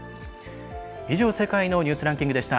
以上、「世界のニュースランキング」でした。